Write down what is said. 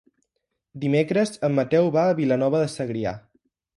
Dimecres en Mateu va a Vilanova de Segrià.